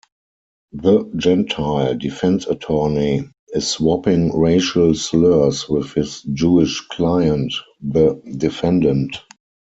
The gentile Defense Attorney is swapping racial slurs with his Jewish client, The Defendant.